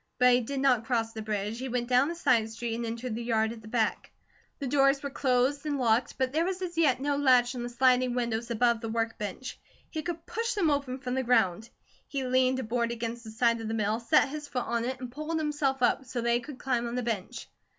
But he did not cross the bridge, he went down the side street, and entered the yard at the back. The doors were closed and locked, but there was as yet no latch on the sliding windows above the work bench. He could push them open from the ground. He leaned a board against the side of the mill, set his foot on it, and pulled himself up, so that he could climb on the bench.